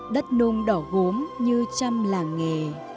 đất nôn đỏ gốm như trăm làng nghề